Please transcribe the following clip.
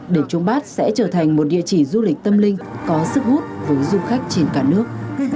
đền trung bát sẽ trở thành một địa chỉ du lịch tâm linh có sức hút với du khách trên cả nước